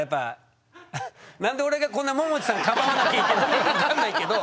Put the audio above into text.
何で俺がこんなももちさんかばわなきゃいけないのか分かんないけど。